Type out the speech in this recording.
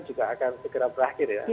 juga akan segera berakhir ya